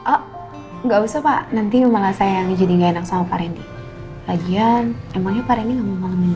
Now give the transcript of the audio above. oh gak usah pak nanti malah saya ngejadi gak enak sama pak randy lagian emangnya pak randy gak mau malemin gue